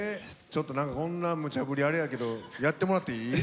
ちょっと何かこんなムチャぶりあれやけどやってもらっていい？